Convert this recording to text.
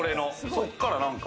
そっから何か。